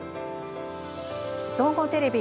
総合テレビ